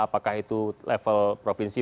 apakah itu level provinsi